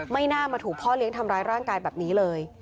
ไม่น่ามาถูกพ่อเลี้ยงทำร้ายร่างกายแบบนี้เลย